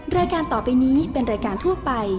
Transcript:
รายการต่อไปนี้เป็นรายการทั่วไป